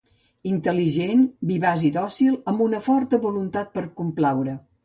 Intel·ligent, vivaç i dòcil, amb forta voluntat per complaure.